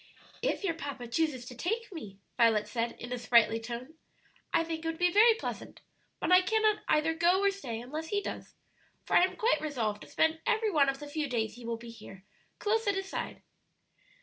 "If your papa chooses to take me," Violet said, in a sprightly tone. "I think it would be very pleasant, but I cannot either go or stay unless he does; for I am quite resolved to spend every one of the few days he will be here, close at his side."